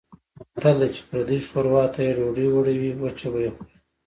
متل دی: چې پردۍ شوروا ته یې ډوډۍ وړوې وچه به یې خورې.